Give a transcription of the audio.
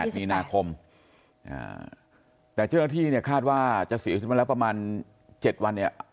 มีนาคมแต่เจ้าหน้าที่เนี่ยคาดว่าจะเสียชีวิตมาแล้วประมาณ๗วันเนี่ย